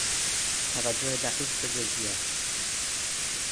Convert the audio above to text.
توجه دقیق به جزئیات